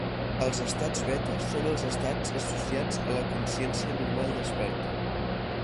Els estats beta són els estats associats a la consciència normal desperta.